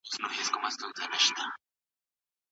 کله زموږ کله د بل سي کله ساد سي کله غل سي